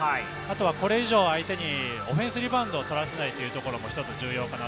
これ以上、相手にオフェンスリバウンドをとらせないというところも一つ重要です。